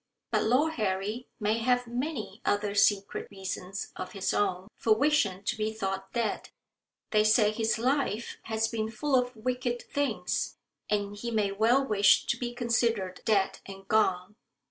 But Lord Harry may have many other secret reasons of his own for wishing to be thought dead. They say his life has been full of wicked things, and he may well wish to be considered dead and gone.